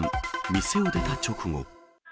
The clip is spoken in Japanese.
店を出た直後。